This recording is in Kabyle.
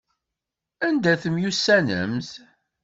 Anda ay temyussanemt?